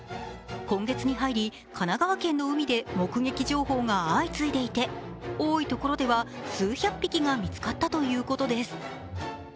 今月に入り、神奈川県の海で目撃情報が相次いでいて多いところでは数百匹が見つかったということです。